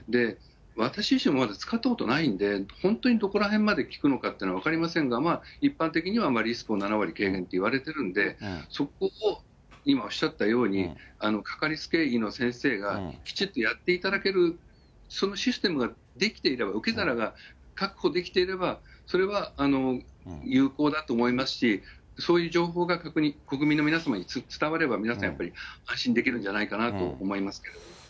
私自身もまだ使ったことがないんで、本当にどこらへんまで効くのかっていうのは分かりませんが、一般的にはリスクを７割軽減というふうにいわれてるんで、そこを今、おっしゃったように、掛かりつけ医の先生がきちっとやっていただける、そのシステムが出来ていれば、受け皿が確保できていれば、それは有効だと思いますし、そういう情報が国民の皆様に伝われば、皆さんやっぱり、安心できるんじゃないかなと思いますけれども。